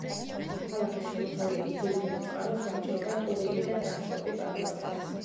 ქალაქის შემოსავლების ძირითად წყაროს ვაჭრობა, ტურიზმი და ტრანსპორტი წარმოადგენს.